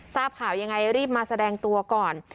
ทราบข่าวยังไงรีบมาแสดงตัวก่อน